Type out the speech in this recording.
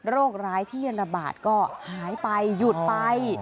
โรคร้ายที่ระบาดก็หายไปหยุดไป